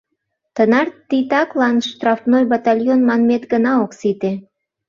Тынар титаклан штрафной батальон манмет гына ок сите...